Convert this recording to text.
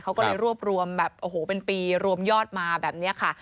เขาก็เลยรวบรวมแบบโอ้โหเป็นปีรวมยอดมาแบบนี้ค่ะ